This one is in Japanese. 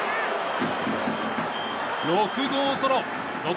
６号ソロ！